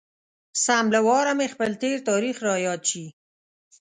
سم له واره مې خپل تېر تاريخ را یاد شي.